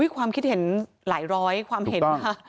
ความคิดเห็นหลายร้อยความเห็นค่ะ